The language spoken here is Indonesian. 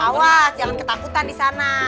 awas jangan ketakutan disana